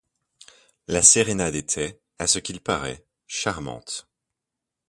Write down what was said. La sérénade était, à ce qu’il paraît, charmante!